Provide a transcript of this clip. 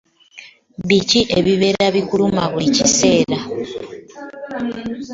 Biki ebibeera bikuluma buli kaseera?